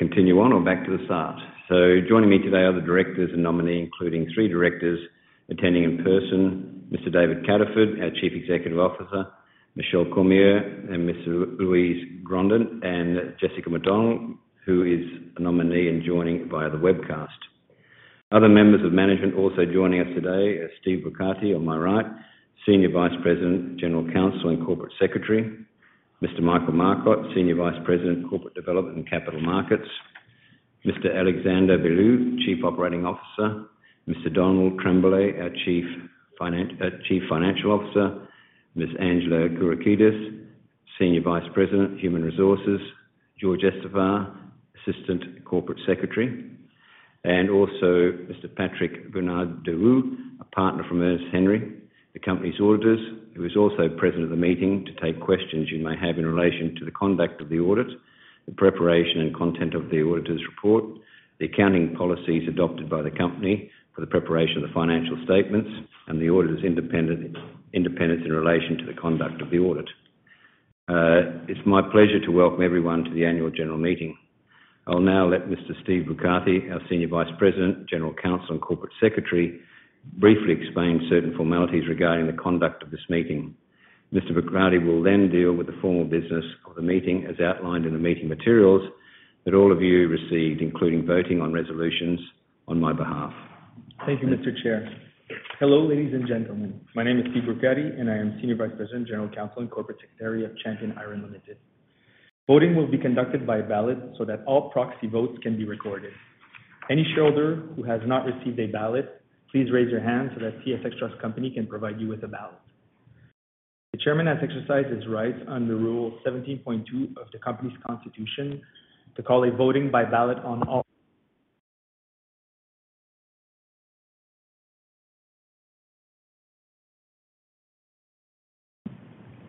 Continue on or back to the start? So joining me today are the directors and nominees, including three directors attending in person: Mr. David Cataford, our Chief Executive Officer, Michelle Cormier and Ms. Louise Grondin, and Jessica McDonald, who is a nominee and joining via the webcast. Other members of management also joining us today are Steve Boucratie on my right, Senior Vice-President, General Counsel, and Corporate Secretary, Mr. Michael Marcotte, Senior Vice-President, Corporate Development and Capital Markets, Mr. Alexandre Belleau, Chief Operating Officer, Mr. Donald Tremblay, our Chief Financial Officer, Ms. Angela Kourouklis, Senior Vice-President, Human Resources, Jorge Estepa, Assistant Corporate Secretary, and also Mr. Patrick Bernard-Drouin, a partner from Ernst & Young, the company's auditors, who is also present at the meeting to take questions you may have in relation to the conduct of the audit, the preparation and content of the auditor's report, the accounting policies adopted by the company for the preparation of the financial statements, and the auditor's independence in relation to the conduct of the audit. It's my pleasure to welcome everyone to the annual general meeting. I'll now let Mr. Steve Boucratie, our Senior Vice President, General Counsel, and Corporate Secretary, briefly explain certain formalities regarding the conduct of this meeting. Mr. Boucratie will then deal with the formal business of the meeting, as outlined in the meeting materials that all of you received, including voting on resolutions on my behalf. Thank you, Mr. Chair. Hello, ladies and gentlemen, my name is Steve Boucratie, and I am Senior Vice President, General Counsel, and Corporate Secretary of Champion Iron Limited. Voting will be conducted by ballot so that all proxy votes can be recorded. Any shareholder who has not received a ballot, please raise your hand so that TSX Trust Company can provide you with a ballot. The chairman has exercised his rights under Rule 17.2 of the company's constitution to call a voting by ballot on all...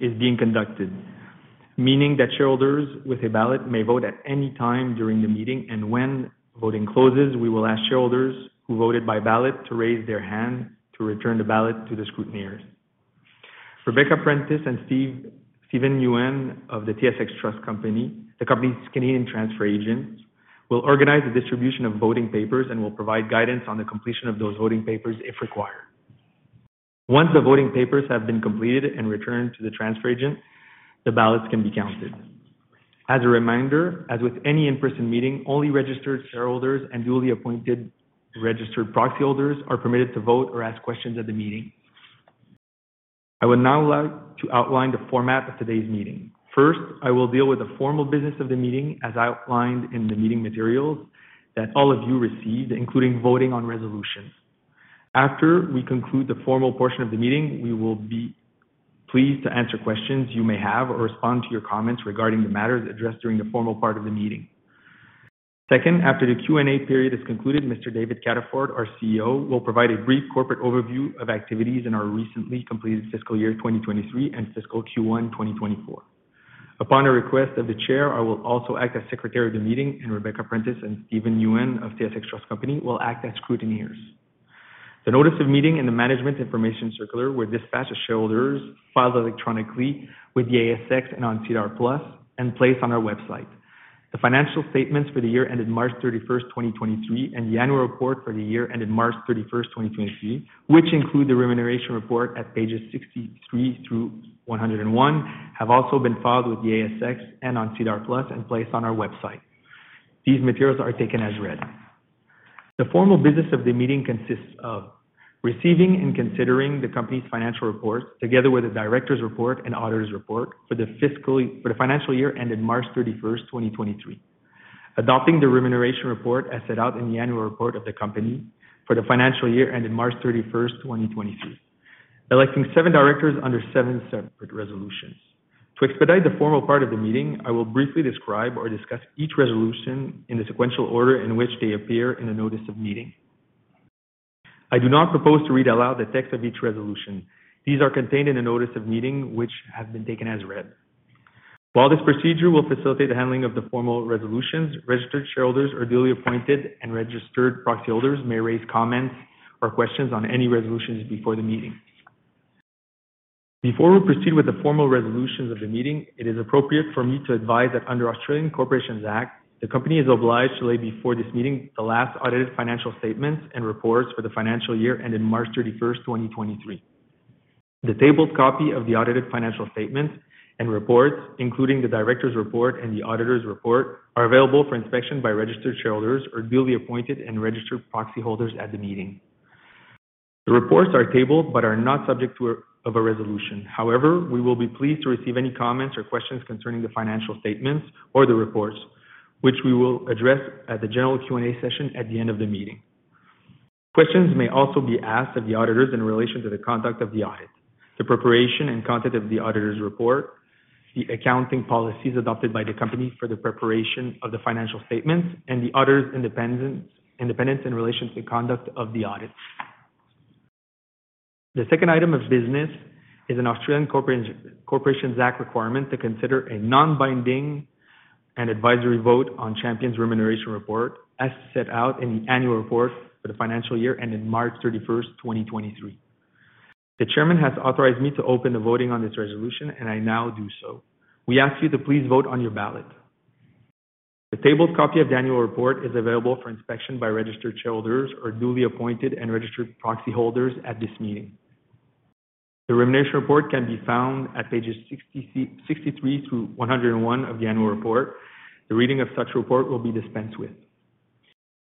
Is being conducted, meaning that shareholders with a ballot may vote at any time during the meeting, and when voting closes, we will ask shareholders who voted by ballot to raise their hand to return the ballot to the scrutineers. Rebecca Prentice and Steven Yuen of the TSX Trust Company, the company's Canadian transfer agent, will organize the distribution of voting papers and will provide guidance on the completion of those voting papers if required. Once the voting papers have been completed and returned to the transfer agent, the ballots can be counted. As a reminder, as with any in-person meeting, only registered shareholders and duly appointed registered proxy holders are permitted to vote or ask questions at the meeting. I would now like to outline the format of today's meeting. First, I will deal with the formal business of the meeting, as outlined in the meeting materials that all of you received, including voting on resolutions. After we conclude the formal portion of the meeting, we will be pleased to answer questions you may have or respond to your comments regarding the matters addressed during the formal part of the meeting. Second, after the Q&A period is concluded, Mr. David Cataford, our CEO, will provide a brief corporate overview of activities in our recently completed fiscal year 2023 and fiscal Q1 2024. Upon the request of the chair, I will also act as Secretary of the meeting, and Rebecca Prentice and Steven Yuen of TSX Trust Company will act as scrutineers. The notice of meeting and the management information circular were dispatched to shareholders, filed electronically with the ASX and on SEDAR+, and placed on our website. The financial statements for the year ended 31 March 2023, and the annual report for the year ended 31 March 2023, which include the Remuneration Report at pages 63 through 101, have also been filed with the ASX and on SEDAR+ and placed on our website. These materials are taken as read. The formal business of the meeting consists of: receiving and considering the company's financial reports, together with the directors' report and auditors' report for the financial year ended 31 March 2023. Adopting the Remuneration Report as set out in the annual report of the company for the financial year ended 31 March 2023. Electing 7 directors under 7 separate resolutions. To expedite the formal part of the meeting, I will briefly describe or discuss each resolution in the sequential order in which they appear in the notice of meeting. I do not propose to read aloud the text of each resolution. These are contained in the notice of meeting, which have been taken as read. While this procedure will facilitate the handling of the formal resolutions, registered shareholders or duly appointed and registered proxy holders may raise comments or questions on any resolutions before the meeting. Before we proceed with the formal resolutions of the meeting, it is appropriate for me to advise that under Australian Corporations Act, the company is obliged to lay before this meeting the last audited financial statements and reports for the financial year ended March 31, 2023. The tabled copy of the audited financial statements and reports, including the directors' report and the auditors' report, are available for inspection by registered shareholders or duly appointed and registered proxy holders at the meeting. The reports are tabled but are not subject to a resolution. However, we will be pleased to receive any comments or questions concerning the financial statements or the reports, which we will address at the general Q&A session at the end of the meeting. Questions may also be asked of the auditors in relation to the conduct of the audit, the preparation and content of the auditors' report, the accounting policies adopted by the company for the preparation of the financial statements, and the auditor's independence in relation to the conduct of the audit. The second item of business is an Australian Corporations Act requirement to consider a non-binding and advisory vote on Champion's Remuneration Report, as set out in the annual report for the financial year ended 31 March 2023. The chairman has authorized me to open the voting on this resolution, and I now do so. We ask you to please vote on your ballot. The tabled copy of annual report is available for inspection by registered shareholders or duly appointed and registered proxy holders at this meeting. The Remuneration Report can be found at pages 63 through 101 of the annual report. The reading of such report will be dispensed with.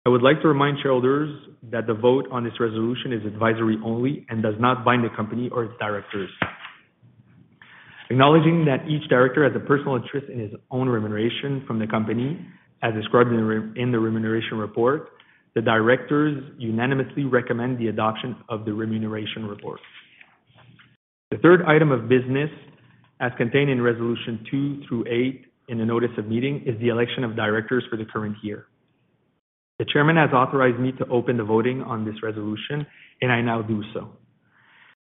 I would like to remind shareholders that the vote on this resolution is advisory only and does not bind the company or its directors. Acknowledging that each director has a personal interest in his own remuneration from the company, as described in the remuneration report, the directors unanimously recommend the adoption of the remuneration report. The third item of business, as contained in resolution 2 through 8 in the notice of meeting, is the election of directors for the current year. The chairman has authorized me to open the voting on this resolution, and I now do so.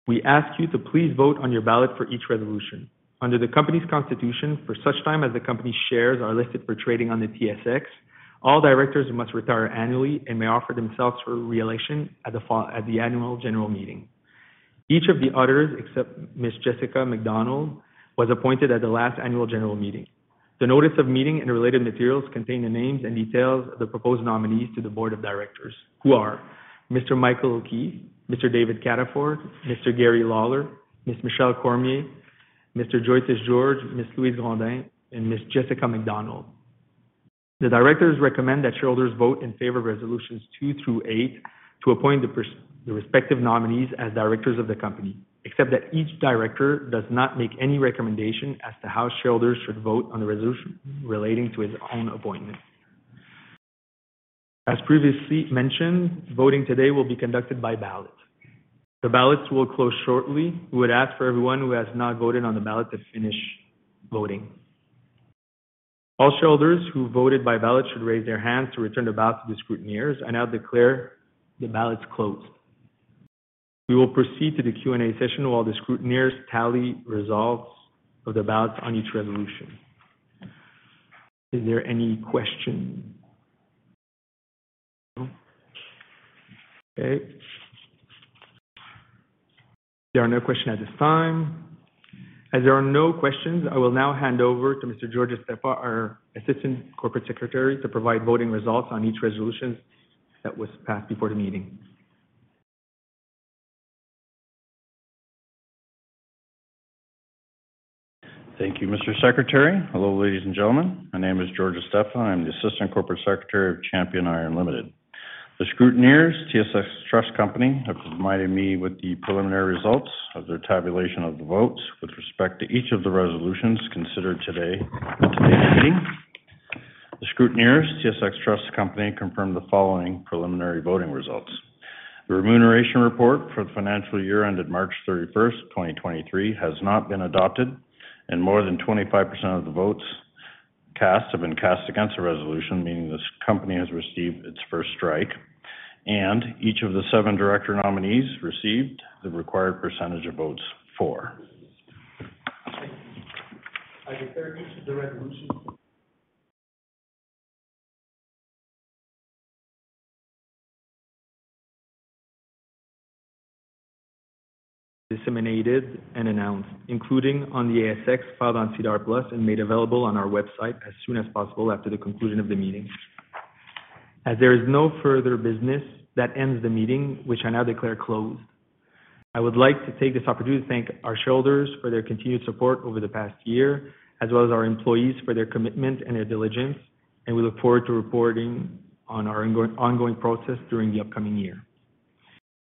We ask you to please vote on your ballot for each resolution. Under the company's constitution, for such time as the company's shares are listed for trading on the TSX, all directors must retire annually and may offer themselves for re-election at the annual general meeting. Each of the others, except Ms. Jessica McDonald, was appointed at the last annual general meeting. The notice of meeting and related materials contain the names and details of the proposed nominees to the board of directors, who are Mr. Michael O'Keeffe, Mr. David Cataford, Mr. Gary Lawler, Ms. Michelle Cormier, Mr. Jyothish George, Ms. Louise Grondin, and Ms. Jessica McDonald. The directors recommend that shareholders vote in favor of resolutions two through eight to appoint the respective nominees as directors of the company, except that each director does not make any recommendation as to how shareholders should vote on the resolution relating to his own appointment. As previously mentioned, voting today will be conducted by ballot. The ballots will close shortly. We would ask for everyone who has not voted on the ballot to finish voting. All shareholders who voted by ballot should raise their hands to return the ballot to the scrutineers. I now declare the ballots closed. We will proceed to the Q&A session while the scrutineers tally results of the ballots on each resolution. Is there any question? No. Okay. There are no questions at this time. As there are no questions, I will now hand over to Mr. George Estafa, our Assistant Corporate Secretary, to provide voting results on each resolution that was passed before the meeting. Thank you, Mr. Secretary. Hello, ladies and gentlemen. My name is Jorge Estepa. I'm the Assistant Corporate Secretary of Champion Iron Limited. The scrutineers, TSX Trust Company, have provided me with the preliminary results of their tabulation of the votes with respect to each of the resolutions considered today at today's meeting. The scrutineers, TSX Trust Company, confirmed the following preliminary voting results: The remuneration report for the financial year ended 31 March 2023, has not been adopted, and more than 25% of the votes cast have been cast against the resolution, meaning this company has received its first strike, and each of the seven director nominees received the required percentage of votes for. I declare each of the resolutions... disseminated and announced, including on the ASX, filed on SEDAR+, and made available on our website as soon as possible after the conclusion of the meeting. As there is no further business, that ends the meeting, which I now declare closed. I would like to take this opportunity to thank our shareholders for their continued support over the past year, as well as our employees for their commitment and their diligence, and we look forward to reporting on our ongoing, ongoing process during the upcoming year.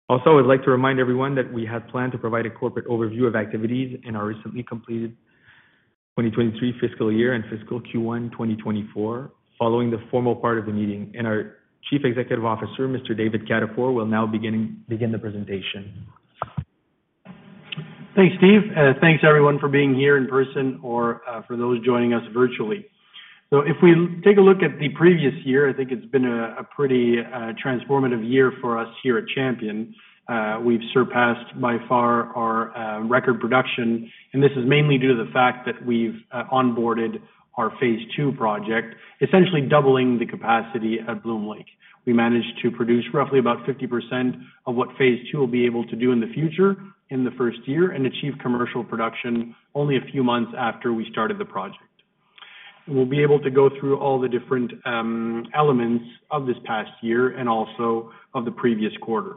Also, I'd like to remind everyone that we had planned to provide a corporate overview of activities in our recently completed 2023 fiscal year and fiscal Q1 2024, following the formal part of the meeting. Our Chief Executive Officer, Mr. David Cataford, will now begin the presentation. Thanks, Steve, thanks everyone for being here in person or for those joining us virtually. So if we take a look at the previous year, I think it's been a pretty transformative year for us here at Champion. We've surpassed by far our record production, and this is mainly due to the fact that we've onboarded our phase two project, essentially doubling the capacity at Bloom Lake. We managed to produce roughly about 50% of what phase two will be able to do in the future in the first year and achieve commercial production only a few months after we started the project. We'll be able to go through all the different elements of this past year and also of the previous quarter.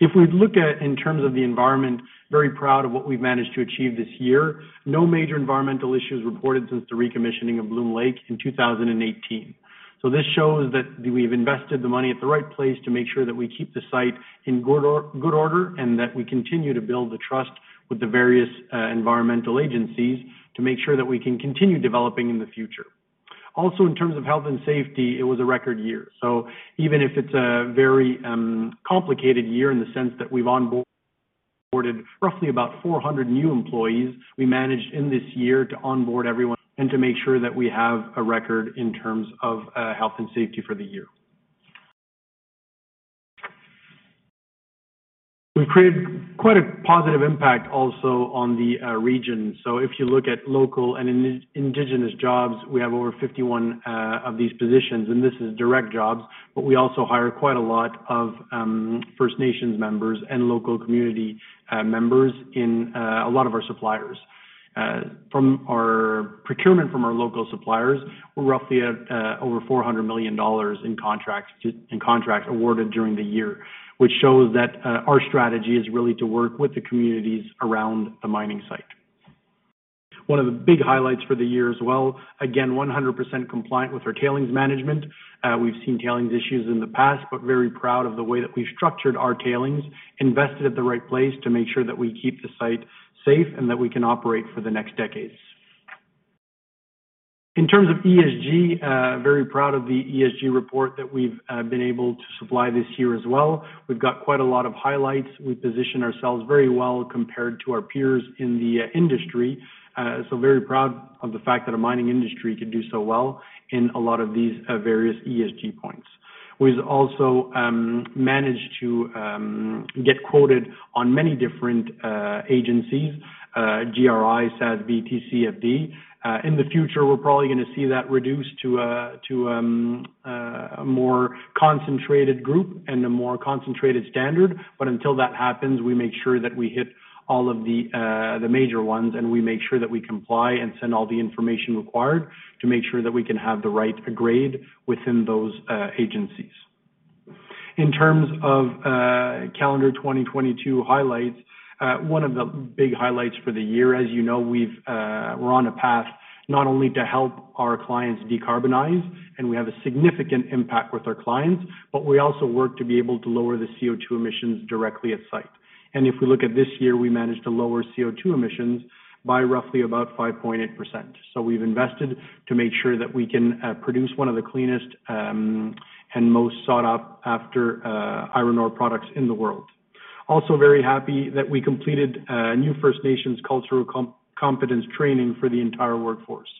If we look at in terms of the environment, very proud of what we've managed to achieve this year. No major environmental issues reported since the recommissioning of Bloom Lake in 2018. So this shows that we've invested the money at the right place to make sure that we keep the site in good order, and that we continue to build the trust with the various environmental agencies to make sure that we can continue developing in the future. Also, in terms of health and safety, it was a record year. So even if it's a very complicated year in the sense that we've onboarded roughly about 400 new employees, we managed in this year to onboard everyone and to make sure that we have a record in terms of health and safety for the year. We've created quite a positive impact also on the region. So if you look at local and Indigenous jobs, we have over 51 of these positions, and this is direct jobs, but we also hire quite a lot of First Nations members and local community members in a lot of our suppliers from our procurement from our local suppliers. We're roughly at over 400 million dollars in contracts awarded during the year, which shows that our strategy is really to work with the communities around the mining site. One of the big highlights for the year as well, again, 100% compliant with our tailings management. We've seen tailings issues in the past, but very proud of the way that we've structured our tailings, invested at the right place to make sure that we keep the site safe and that we can operate for the next decades. In terms of ESG, very proud of the ESG report that we've been able to supply this year as well. We've got quite a lot of highlights. We position ourselves very well compared to our peers in the industry. So very proud of the fact that a mining industry can do so well in a lot of these various ESG points. We've also managed to get quoted on many different agencies, GRI, SASB, TCFD. In the future, we're probably gonna see that reduced to a more concentrated group and a more concentrated standard. But until that happens, we make sure that we hit all of the, the major ones, and we make sure that we comply and send all the information required to make sure that we can have the right grade within those, agencies. In terms of, calendar 2022 highlights, one of the big highlights for the year, as you know, we've, we're on a path not only to help our clients decarbonize, and we have a significant impact with our clients, but we also work to be able to lower the CO₂ emissions directly at site. And if we look at this year, we managed to lower CO₂ emissions by roughly about 5.8%. So we've invested to make sure that we can, produce one of the cleanest, and most sought-after, iron ore products in the world. Also, very happy that we completed a new First Nations cultural competence training for the entire workforce.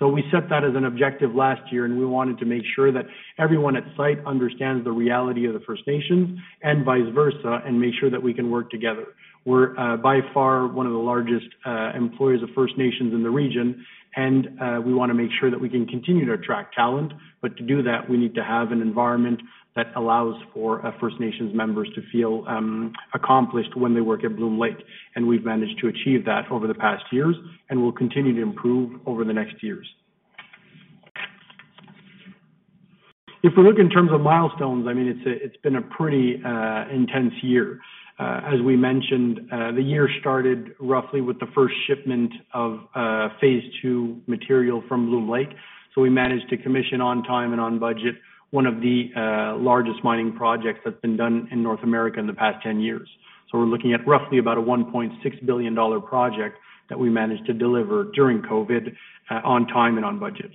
So we set that as an objective last year, and we wanted to make sure that everyone at site understands the reality of the First Nations and vice versa, and make sure that we can work together. We're by far one of the largest employers of First Nations in the region, and we wanna make sure that we can continue to attract talent. But to do that, we need to have an environment that allows for First Nations members to feel accomplished when they work at Bloom Lake. And we've managed to achieve that over the past years and will continue to improve over the next years. If we look in terms of milestones, I mean, it's been a pretty intense year. As we mentioned, the year started roughly with the first shipment of phase two material from Bloom Lake. We managed to commission on time and on budget one of the largest mining projects that's been done in North America in the past 10 years. We're looking at roughly about a $1.6 billion project that we managed to deliver during COVID on time and on budget.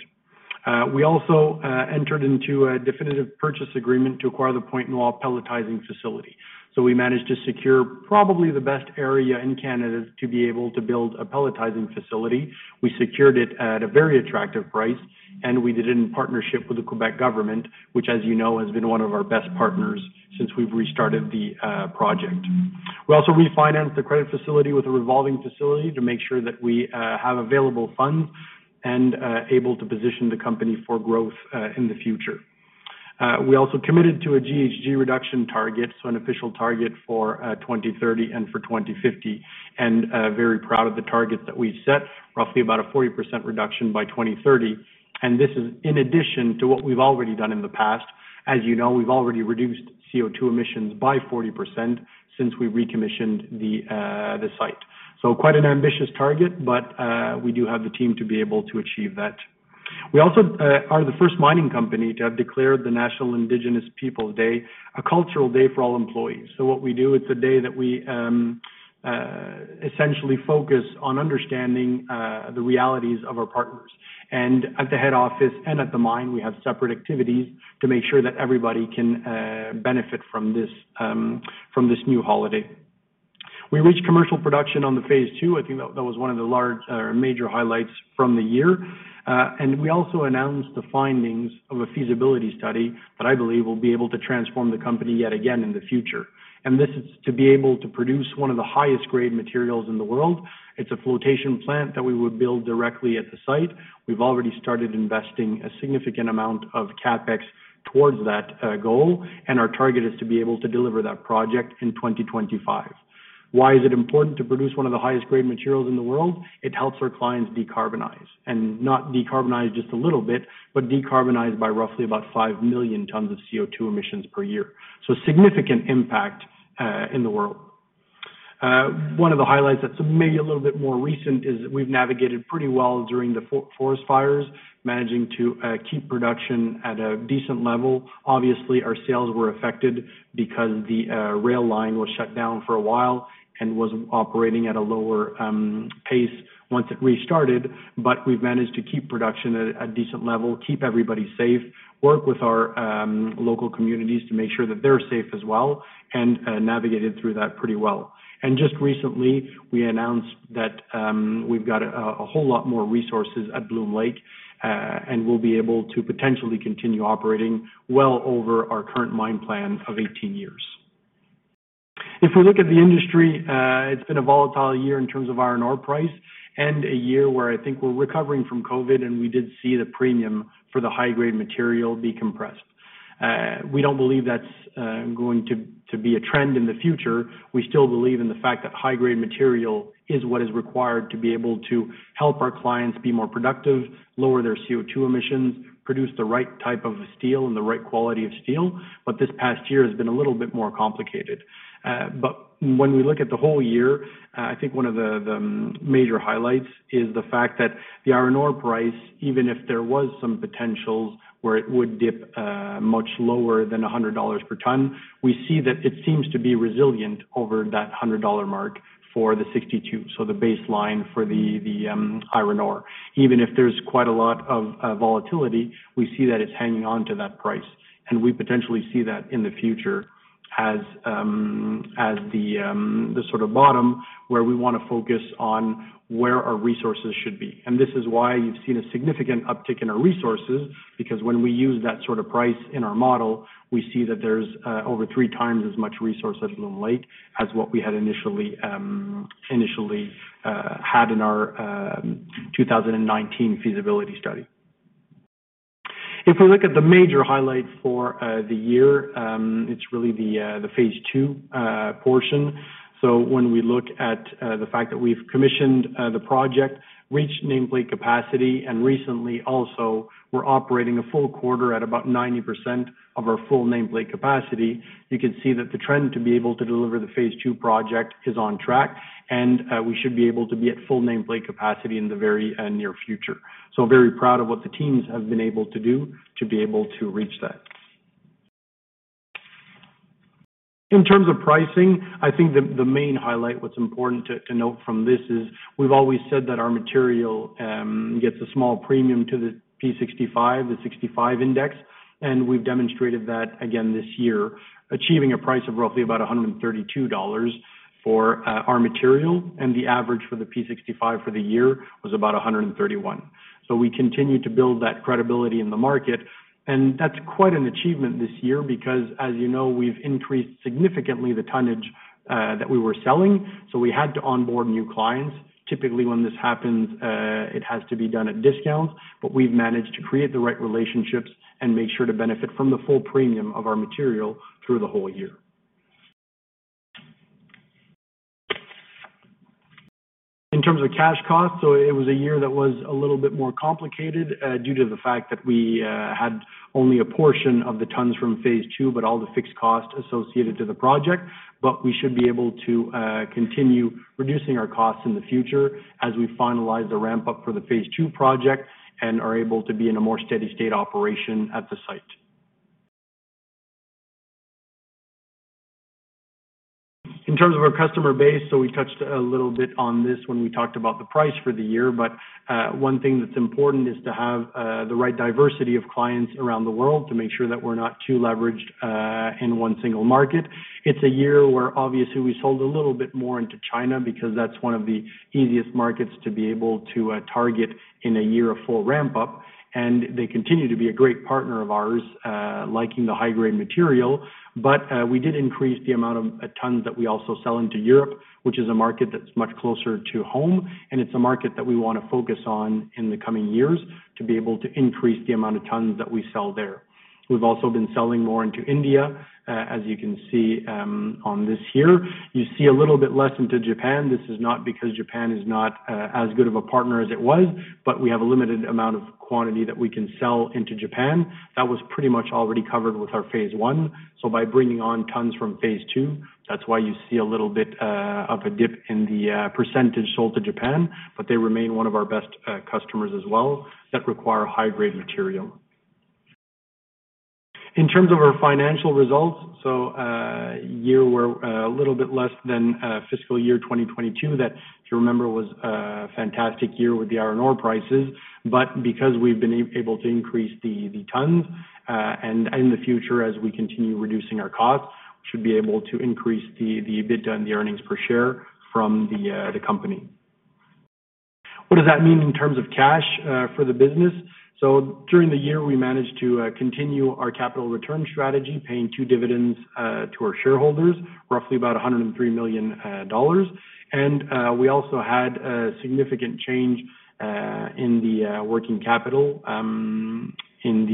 We also entered into a definitive purchase agreement to acquire the Pointe-Noire pelletizing facility. We managed to secure probably the best area in Canada to be able to build a pelletizing facility. We secured it at a very attractive price, and we did it in partnership with the Quebec government, which, as you know, has been one of our best partners since we've restarted the project. We also refinanced the credit facility with a revolving facility to make sure that we have available funds and able to position the company for growth in the future. We also committed to a GHG reduction target, so an official target for 2030 and for 2050, and very proud of the target that we've set, roughly about a 40% reduction by 2030. This is in addition to what we've already done in the past. As you know, we've already reduced CO₂ emissions by 40% since we recommissioned the site. Quite an ambitious target, but we do have the team to be able to achieve that. We also are the first mining company to have declared the National Indigenous Peoples Day, a cultural day for all employees. So what we do, it's a day that we essentially focus on understanding the realities of our partners. And at the head office and at the mine, we have separate activities to make sure that everybody can benefit from this, from this new holiday. We reached commercial production on the phase two. I think that, that was one of the large major highlights from the year. And we also announced the findings of a feasibility study that I believe will be able to transform the company yet again in the future. And this is to be able to produce one of the highest grade materials in the world. It's a flotation plant that we would build directly at the site. We've already started investing a significant amount of CapEx towards that goal, and our target is to be able to deliver that project in 2025. Why is it important to produce one of the highest grade materials in the world? It helps our clients decarbonize, and not decarbonize just a little bit, but decarbonize by roughly about 5 million tons of CO₂ emissions per year. So significant impact in the world. One of the highlights that's maybe a little bit more recent is we've navigated pretty well during the forest fires, managing to keep production at a decent level. Obviously, our sales were affected because the rail line was shut down for a while and was operating at a lower pace once it restarted. But we've managed to keep production at a decent level, keep everybody safe, work with our local communities to make sure that they're safe as well, and navigated through that pretty well. And just recently, we announced that we've got a whole lot more resources at Bloom Lake, and we'll be able to potentially continue operating well over our current mine plan of 18 years. If we look at the industry, it's been a volatile year in terms of iron ore price and a year where I think we're recovering from COVID, and we did see the premium for the high-grade material be compressed. We don't believe that's going to be a trend in the future. We still believe in the fact that high-grade material is what is required to be able to help our clients be more productive, lower their CO₂ emissions, produce the right type of steel and the right quality of steel. But this past year has been a little bit more complicated. But when we look at the whole year, I think one of the major highlights is the fact that the iron ore price, even if there was some potentials where it would dip, much lower than $100 per ton, we see that it seems to be resilient over that $100 mark for the 62, so the baseline for the iron ore. Even if there's quite a lot of volatility, we see that it's hanging on to that price, and we potentially see that in the future as the sort of bottom where we wanna focus on where our resources should be. And this is why you've seen a significant uptick in our resources, because when we use that sort of price in our model, we see that there's over three times as much resource at Bloom Lake as what we had initially, initially, had in our 2019 feasibility study. If we look at the major highlights for the year, it's really the phase two portion. So when we look at the fact that we've commissioned the project, reached nameplate capacity, and recently also we're operating a full quarter at about 90% of our full nameplate capacity, you can see that the trend to be able to deliver the phase two project is on track, and we should be able to be at full nameplate capacity in the very near future. So very proud of what the teams have been able to do to be able to reach that. In terms of pricing, I think the main highlight, what's important to note from this is, we've always said that our material gets a small premium to the P65, the 65 index, and we've demonstrated that again this year, achieving a price of roughly about $132 for our material, and the average for the P65 for the year was about $131. So we continue to build that credibility in the market, and that's quite an achievement this year because, as you know, we've increased significantly the tonnage that we were selling, so we had to onboard new clients. Typically, when this happens, it has to be done at discount, but we've managed to create the right relationships and make sure to benefit from the full premium of our material through the whole year. In terms of cash costs, it was a year that was a little bit more complicated, due to the fact that we had only a portion of the tons from phase two, but all the fixed costs associated to the project. But we should be able to continue reducing our costs in the future as we finalize the ramp-up for the phase two project and are able to be in a more steady state operation at the site. In terms of our customer base, we touched a little bit on this when we talked about the price for the year, but one thing that's important is to have the right diversity of clients around the world to make sure that we're not too leveraged in one single market. It's a year where obviously we sold a little bit more into China because that's one of the easiest markets to be able to target in a year of full ramp-up, and they continue to be a great partner of ours, liking the high-grade material. But, we did increase the amount of tons that we also sell into Europe, which is a market that's much closer to home, and it's a market that we wanna focus on in the coming years to be able to increase the amount of tons that we sell there. We've also been selling more into India, as you can see, on this here. You see a little bit less into Japan. This is not because Japan is not as good of a partner as it was, but we have a limited amount of quantity that we can sell into Japan. That was pretty much already covered with our phase one. So by bringing on tons from phase two, that's why you see a little bit of a dip in the percentage sold to Japan, but they remain one of our best customers as well, that require high-grade material. In terms of our financial results, this year we were a little bit less than fiscal year 2022. That, if you remember, was a fantastic year with the iron ore prices. But because we've been able to increase the tons, and in the future, as we continue reducing our costs, we should be able to increase the EBITDA and the earnings per share from the company. What does that mean in terms of cash for the business? So during the year, we managed to continue our capital return strategy, paying two dividends to our shareholders, roughly about 103 million dollars. And we also had a significant change in the working capital in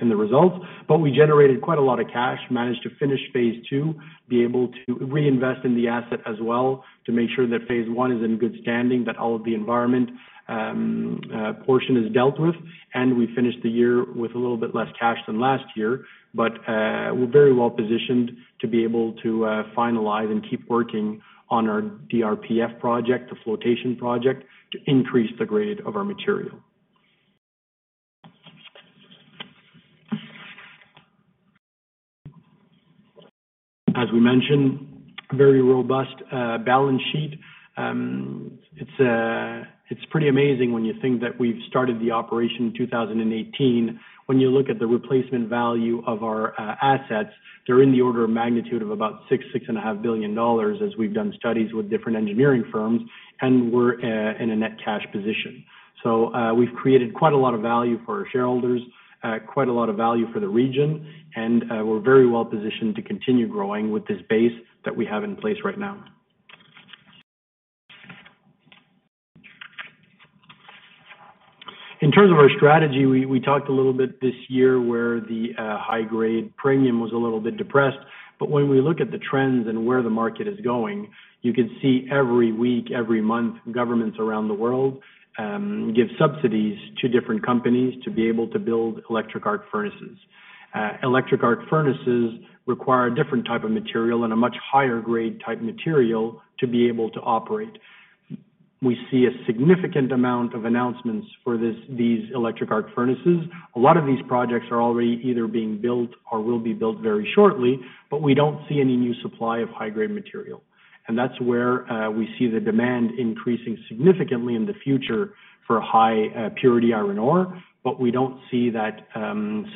the results. But we generated quite a lot of cash, managed to finish phase two, be able to reinvest in the asset as well, to make sure that phase one is in good standing, that all of the environment portion is dealt with. We finished the year with a little bit less cash than last year, but, we're very well positioned to be able to, finalize and keep working on our DRPF project, the flotation project, to increase the grade of our material. As we mentioned, very robust, balance sheet. It's, it's pretty amazing when you think that we've started the operation in 2018. When you look at the replacement value of our, assets, they're in the order of magnitude of about $6 to 6.5 billion, as we've done studies with different engineering firms, and we're, in a net cash position. So, we've created quite a lot of value for our shareholders, quite a lot of value for the region, and, we're very well positioned to continue growing with this base that we have in place right now. In terms of our strategy, we talked a little bit this year where the high-grade premium was a little bit depressed. But when we look at the trends and where the market is going, you can see every week, every month, governments around the world give subsidies to different companies to be able to build electric arc furnaces. Electric arc furnaces require a different type of material and a much higher grade type material to be able to operate. We see a significant amount of announcements for this, these electric arc furnaces. A lot of these projects are already either being built or will be built very shortly, but we don't see any new supply of high-grade material. And that's where we see the demand increasing significantly in the future for high purity iron ore, but we don't see that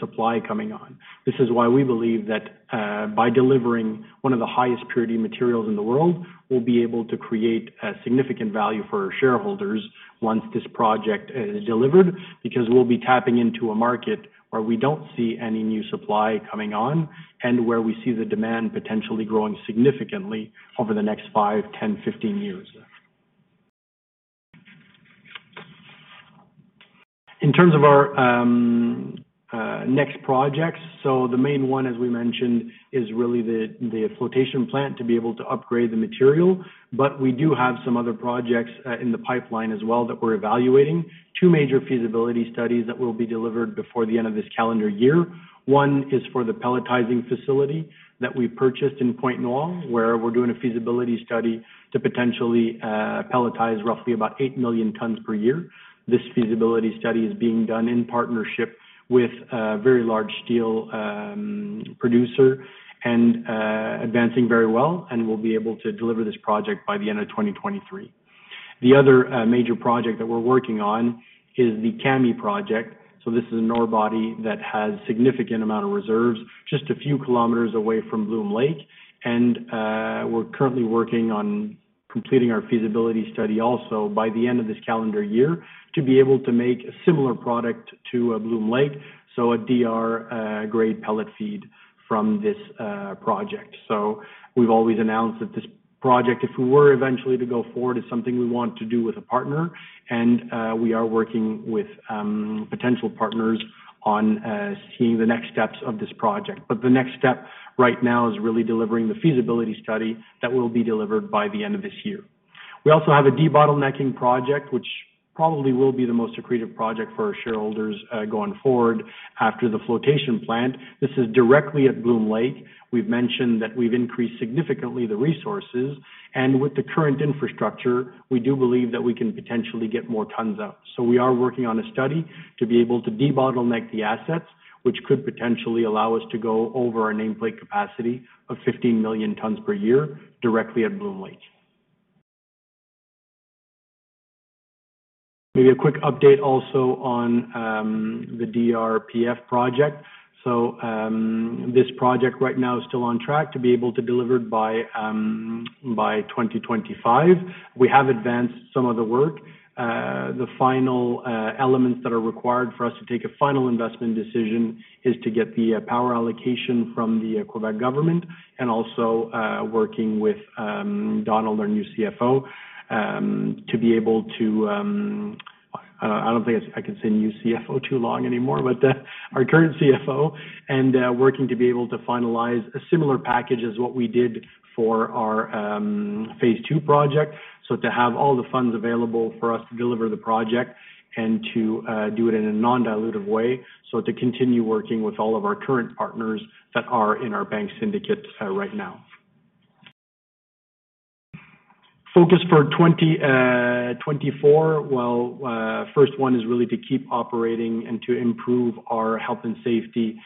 supply coming on. This is why we believe that by delivering one of the highest purity materials in the world, we'll be able to create a significant value for our shareholders once this project is delivered. Because we'll be tapping into a market where we don't see any new supply coming on and where we see the demand potentially growing significantly over the next 5, 10, 15 years. In terms of our next projects, so the main one, as we mentioned, is really the flotation plant to be able to upgrade the material. But we do have some other projects in the pipeline as well that we're evaluating. Two major feasibility studies that will be delivered before the end of this calendar year. One is for the pelletizing facility that we purchased in Pointe-Noire, where we're doing a feasibility study to potentially pelletize roughly about 8 million tons per year. This feasibility study is being done in partnership with a very large steel producer and advancing very well, and we'll be able to deliver this project by the end of 2023. The other major project that we're working on is the Kami Project. So this is an ore body that has significant amount of reserves, just a few kilometers away from Bloom Lake. We're currently working on completing our feasibility study also by the end of this calendar year, to be able to make a similar product to Bloom Lake, so a DR grade pellet feed from this project. So we've always announced that this project, if we were eventually to go forward, is something we want to do with a partner, and we are working with potential partners on seeing the next steps of this project. But the next step right now is really delivering the feasibility study that will be delivered by the end of this year. We also have a debottlenecking project, which probably will be the most accretive project for our shareholders going forward after the flotation plant. This is directly at Bloom Lake. We've mentioned that we've increased significantly the resources, and with the current infrastructure, we do believe that we can potentially get more tons out. So we are working on a study to be able to debottleneck the assets, which could potentially allow us to go over our nameplate capacity of 15 million tons per year, directly at Bloom Lake. Maybe a quick update also on the DRPF project. So this project right now is still on track to be able to deliver it by 2025. We have advanced some of the work. The final elements that are required for us to take a final investment decision is to get the power allocation from the Quebec government and also working with Donald, our new CFO, to be able to... I don't think I can say new CFO too long anymore, but our current CFO, and working to be able to finalize a similar package as what we did for our phase two project. So to have all the funds available for us to deliver the project and to do it in a non-dilutive way, so to continue working with all of our current partners that are in our bank syndicate right now. Focus for 2024. Well, first one is really to keep operating and to improve our health and safety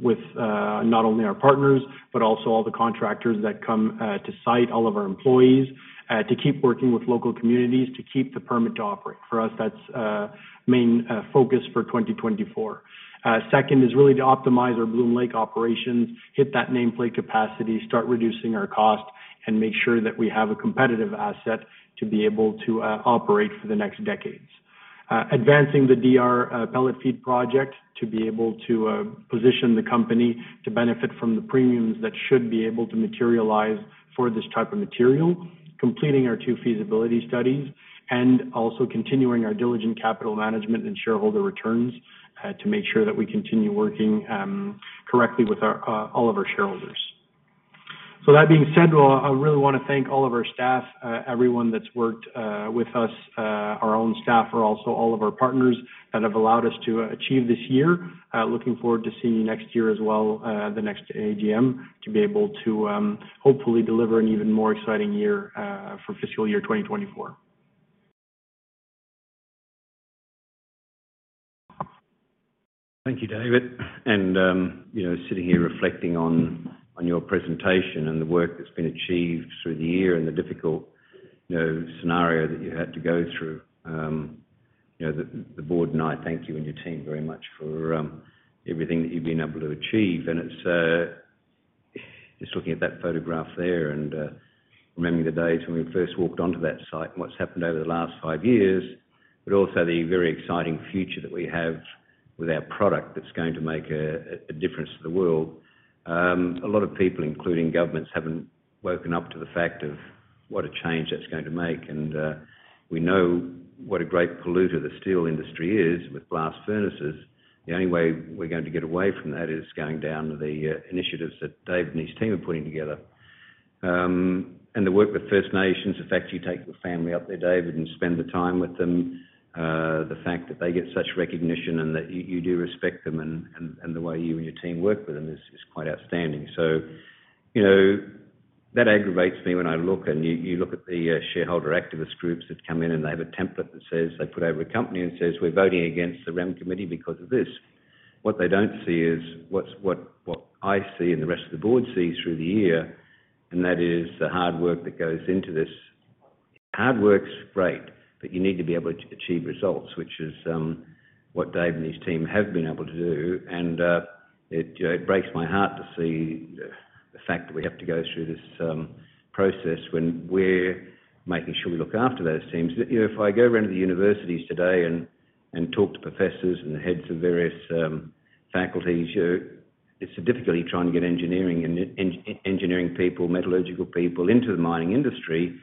with not only our partners, but also all the contractors that come to site, all of our employees, to keep working with local communities, to keep the permit to operate. For us, that's main focus for 2024. Second is really to optimize our Bloom Lake operations, hit that nameplate capacity, start reducing our cost, and make sure that we have a competitive asset to be able to operate for the next decades. Advancing the DR pellet feed project to be able to position the company to benefit from the premiums that should be able to materialize for this type of material, completing our two feasibility studies, and also continuing our diligent capital management and shareholder returns to make sure that we continue working correctly with our all of our shareholders. So that being said, well, I really want to thank all of our staff, everyone that's worked with us, our own staff, or also all of our partners that have allowed us to achieve this year. Looking forward to seeing you next year as well, the next AGM, to be able to hopefully deliver an even more exciting year for fiscal year 2024. Thank you, David. And, you know, sitting here reflecting on your presentation and the work that's been achieved through the year and the difficult, you know, scenario that you had to go through, you know, the board and I thank you and your team very much for everything that you've been able to achieve. And it's just looking at that photograph there and remembering the days when we first walked onto that site and what's happened over the last five years, but also the very exciting future that we have with our product that's going to make a difference to the world. A lot of people, including governments, haven't woken up to the fact of what a change that's going to make, and we know what a great polluter the steel industry is with blast furnaces. The only way we're going to get away from that is going down to the initiatives that Dave and his team are putting together. And the work with First Nations, the fact you take your family up there, David, and spend the time with them, the fact that they get such recognition and that you do respect them and the way you and your team work with them is quite outstanding. So, you know, that aggravates me when I look and you look at the shareholder activist groups that come in, and they have a template that says they put over a company and it says, "We're voting against the REM committee because of this." What they don't see is what I see and the rest of the board sees through the year, and that is the hard work that goes into this. Hard work's great, but you need to be able to achieve results, which is what Dave and his team have been able to do. And it you know, it breaks my heart to see the fact that we have to go through this process when we're making sure we look after those teams. You know, if I go around to the universities today and talk to professors and the heads of various faculties, you know, it's the difficulty trying to get engineering and engineering people, metallurgical people into the mining industry.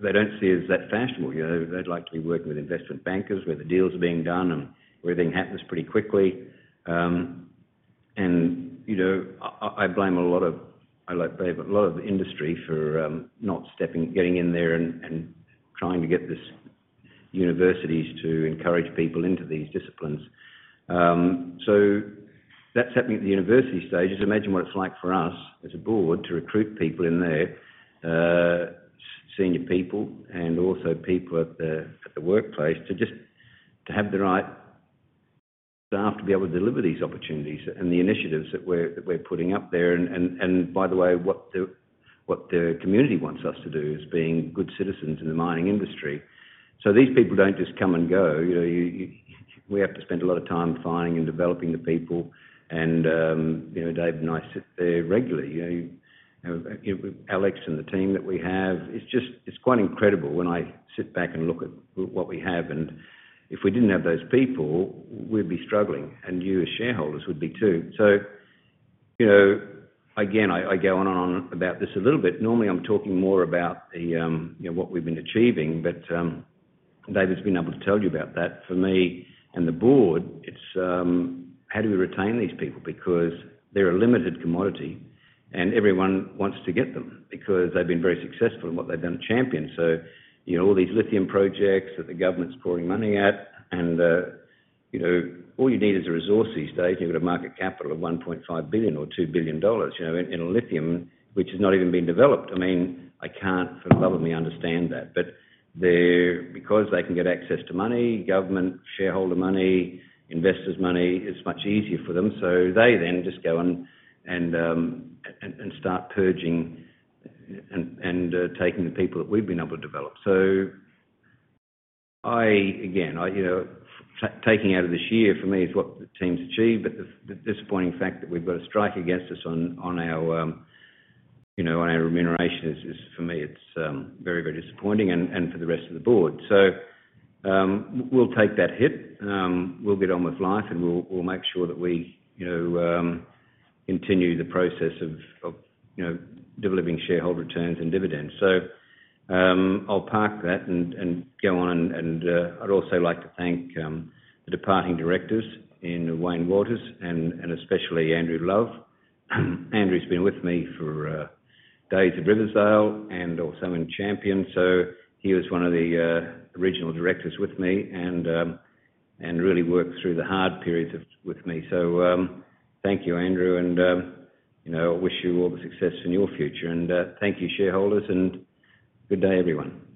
They don't see it as that fashionable, you know. They'd like to be working with investment bankers, where the deals are being done and where everything happens pretty quickly. And, you know, I blame a lot of... I like Dave, a lot of the industry for not getting in there and trying to get this universities to encourage people into these disciplines. So that's happening at the university stages. Imagine what it's like for us, as a board, to recruit people in there, senior people and also people at the workplace, to just have the right staff to be able to deliver these opportunities and the initiatives that we're putting up there. And by the way, what the community wants us to do is being good citizens in the mining industry. So these people don't just come and go, you know. We have to spend a lot of time finding and developing the people. And, you know, Dave and I sit there regularly, you know, Alex and the team that we have. It's quite incredible when I sit back and look at what we have, and if we didn't have those people, we'd be struggling, and you, as shareholders, would be, too. So, you know, again, I, I go on and on about this a little bit. Normally, I'm talking more about the, you know, what we've been achieving, but, David's been able to tell you about that. For me and the board, it's, how do we retain these people? Because they're a limited commodity, and everyone wants to get them because they've been very successful in what they've done at Champion. So, you know, all these lithium projects that the government's pouring money at and, you know, all you need is a resource these days, and you've got a market capital of $1.5 or 2 billion dollars, you know, in, in lithium, which has not even been developed. I mean, I can't for the love of me understand that. But because they can get access to money, government, shareholder money, investors' money, it's much easier for them. So they then just go and start purging and taking the people that we've been able to develop. So again, I you know, taking out of this year for me is what the team's achieved, but the disappointing fact that we've got a strike against us on our you know, on our remuneration is for me, it's very, very disappointing and for the rest of the board. So we'll take that hit, we'll get on with life, and we'll make sure that we you know, continue the process of you know, delivering shareholder returns and dividends. So, I'll park that and go on and I'd also like to thank the departing directors in Wayne Wouters and especially Andrew Love. Andrew's been with me for days at Riversdale and also in Champion, so he was one of the original directors with me and really worked through the hard periods with me. So, thank you, Andrew, and you know, I wish you all the success in your future. And thank you, shareholders, and good day, everyone.